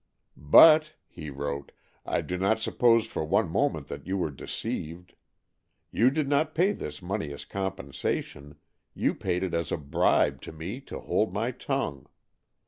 '' But," he wrote, " I do not suppose for one moment that you were deceived. You did not pay this money as compensation, you paid it as a bribe to me to hold my tongue.